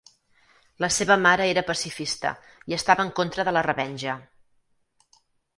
La seva mare era pacifista i estava en contra de la revenja.